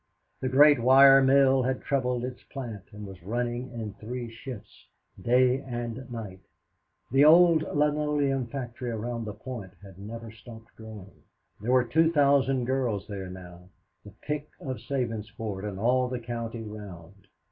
The great wire mill had trebled its plant and was running in three shifts, day and night. The old linoleum factory around the Point had never stopped growing. There were 2,000 girls there now, the pick of Sabinsport and all the country round.